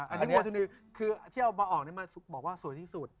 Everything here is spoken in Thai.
อันนี้คือที่เอามาออกนี่มาบอกว่าสวยที่สุด